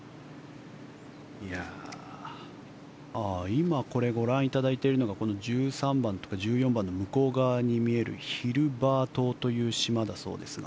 今、これご覧いただいているのが１３番とか１４番の向こう側に見えるヒルバー島という島だそうですが。